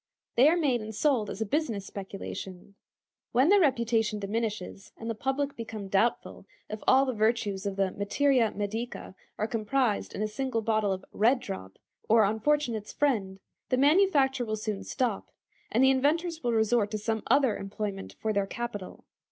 They are made and sold as a business speculation. When their reputation diminishes, and the public become doubtful if all the virtues of the materia medica are comprised in a single bottle of "Red Drop," or "Unfortunate's Friend," the manufacture will soon stop, and the inventors will resort to some other employment for their capital.